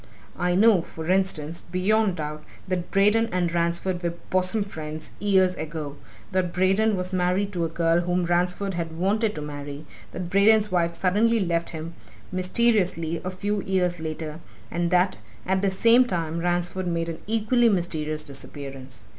I know for instance, beyond doubt, that Braden and Ransford were bosom friends, years ago, that Braden was married to a girl whom Ransford had wanted to marry, that Braden's wife suddenly left him, mysteriously, a few years later, and that, at the same time, Ransford made an equally mysterious disappearance.